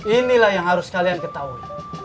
inilah yang harus kalian ketahui